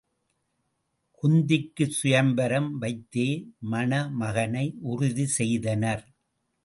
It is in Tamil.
குந்திக்குச் சுயம்வரம் வைத்தே மணமகனை உறுதி செய்தனர்.